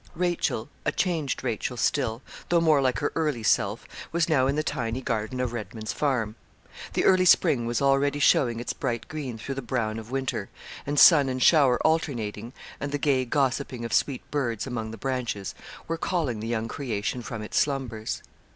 Rachel a changed Rachel still though more like her early self, was now in the tiny garden of Redman's Farm. The early spring was already showing its bright green through the brown of winter, and sun and shower alternating, and the gay gossiping of sweet birds among the branches, were calling the young creation from its slumbers.